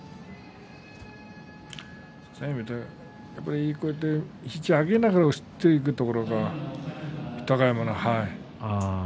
やっぱり、こうやって肘を上げながら押していくところが豊山の。